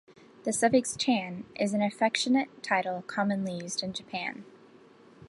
The suffix "chan" is an affectionate title commonly used in Japan.